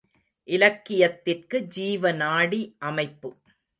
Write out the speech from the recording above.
இலக்கியத்திற்கு ஜீவநாடி அமைப்பு.